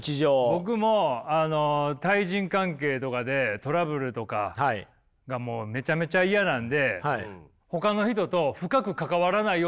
僕もあの対人関係とかでトラブルとかがもうめちゃめちゃ嫌なんでほかの人と深く関わらないようにしてしまっています。